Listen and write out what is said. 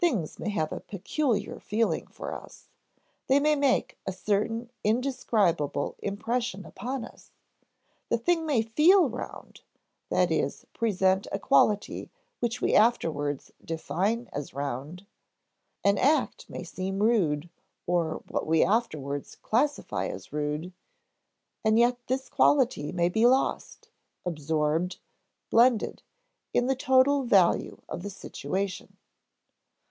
Things may have a peculiar feeling for us, they may make a certain indescribable impression upon us; the thing may feel round (that is, present a quality which we afterwards define as round), an act may seem rude (or what we afterwards classify as rude), and yet this quality may be lost, absorbed, blended in the total value of the situation.